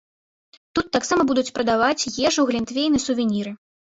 Тут таксама будуць прадаваць ежу, глінтвейн і сувеніры.